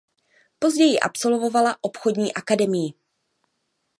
Později absolvovala obchodní akademii.